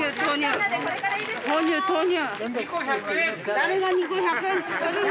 誰が「２個１００円」っつってるんだ？